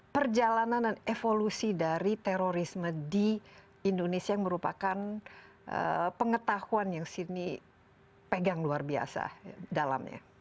perjalanan dan evolusi dari terorisme di indonesia yang merupakan pengetahuan yang sini pegang luar biasa dalamnya